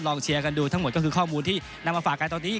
เชียร์กันดูทั้งหมดก็คือข้อมูลที่นำมาฝากกันตอนนี้